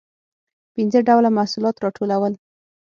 پنځه ډوله محصولات راټولول.